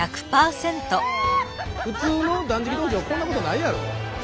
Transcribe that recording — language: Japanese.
普通の断食道場こんなことないやろ。